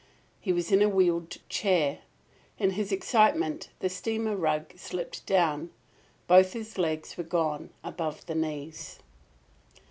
He was in a wheeled chair. In his excitement the steamer rug slipped down. Both his legs were gone above the knees!